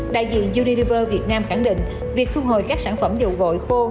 đại diện unilever việt nam khẳng định việc thu hồi các sản phẩm dầu gội khô